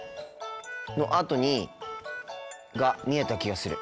のあとにが見えた気がする。